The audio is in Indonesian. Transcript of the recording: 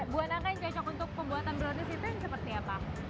buah nangka yang cocok untuk pembuatan brownies itu yang seperti apa